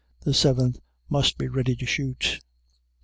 The Seventh must be ready to shoot.